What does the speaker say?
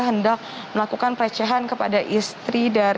kodisional untuk rapid